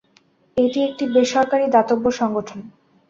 এটি একটি বেসরকারী দাতব্য সংগঠন।